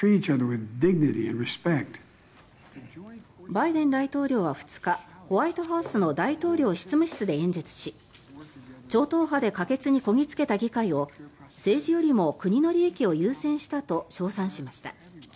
バイデン大統領は２日ホワイトハウスの大統領執務室で演説し超党派で可決にこぎ着けた議会を政治よりも国の利益を優先したと称賛しました。